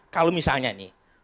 kalau misalnya nih